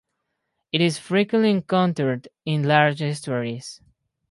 It is frequently encountered in large estuaries.